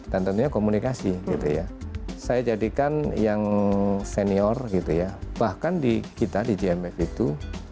dan tentunya komunikasi gitu ya saya jadikan yang senior gitu ya bahkan di kita di jmf itu